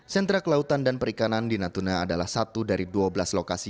sentra kelautan dan perikanan di natuna adalah satu dari dua belas lokasi